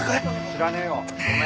知らねえよ。